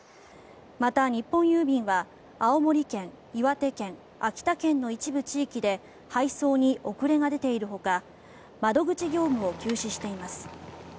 また日本郵便は、青森県岩手県、秋田県の一部地域で配送に遅れが出ているほか窓口業務を休止しています。